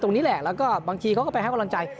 ตรงนี้แหละแล้วก็บางทีเขาก็ไปให้กำลังใจ